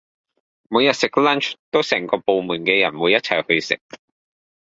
每日食 lunch 都成個部門嘅人會一齊去食